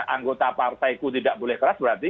anggota partaiku tidak boleh keras berarti